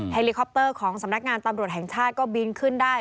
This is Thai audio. เฮลิคอปเตอร์ของสำนักงานตำรวจแห่งชาติก็บินขึ้นได้